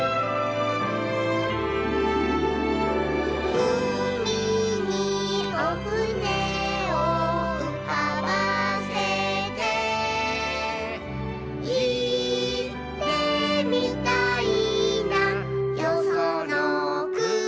「うみにおふねをうかばせて」「いってみたいなよそのくに」